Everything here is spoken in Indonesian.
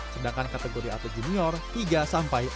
sedangkan kategori atlet junior tiga sampai empat